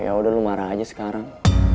ya udah lu marah aja sekarang